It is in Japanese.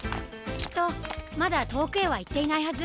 きっとまだとおくへはいっていないはず！